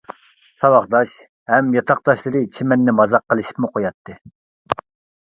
ساۋاقداش ھەم ياتاقداشلىرى چىمەننى مازاق قىلىشىپمۇ قوياتتى.